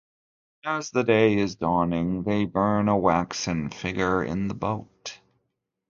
As the day is dawning they burn a waxen figure in the boat.